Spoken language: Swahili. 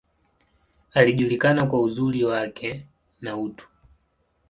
Alijulikana kwa uzuri wake, na utu.